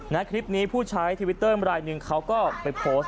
คลิปนี้ผู้ใช้ทวิตเตอร์รายหนึ่งเขาก็ไปโพสต์